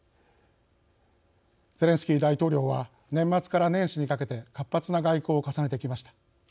ゼレンスキー大統領は年末から年始にかけて活発な外交を重ねてきました。